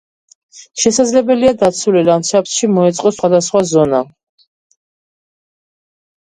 შესაძლებელია დაცული ლანდშაფტში მოეწყოს სხვადასხვა ზონა.